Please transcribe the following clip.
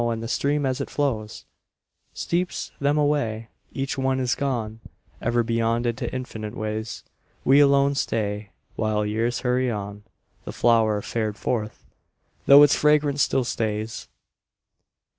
And the stream as it flows Sweeps them away, Each one is gone Ever beyond into infinite ways. We alone stay While years hurry on, The flower fared forth, though its fragrance still stays.